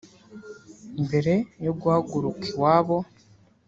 Mbere yo guhaguruka iwabo